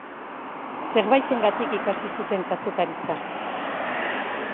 Zerbaitengatik ikasi zuten kazetaritza.